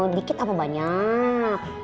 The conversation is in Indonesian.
dikit apa banyak